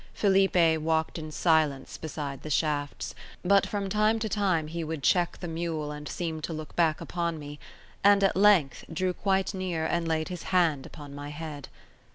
Felipe walked in silence beside the shafts, but from time to time he would cheek the mule and seem to look back upon me; and at length drew quite near and laid his hand upon my head.